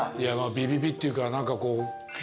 ビビビッていうか何かこう。